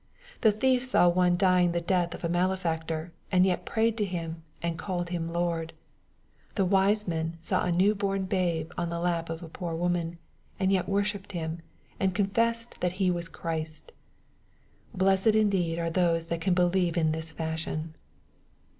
The thief saw one dying the death of a malefactor^ and yet prayed to Him, and " called Him Lord.*' The wise men saw a new born babe on the lap of a poor woman, and yet worshipped Him and confessed that He was Christ, Blessed indeed are those that can believe in this fashion